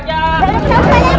dia melihat manjak ini